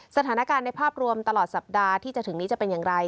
สถานการณ์ในภาพรวมตลอดสัปดาห์ที่จะถึงนี้จะเป็นอย่างไร